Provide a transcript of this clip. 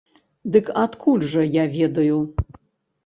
Дык адкуль жа я ведаю?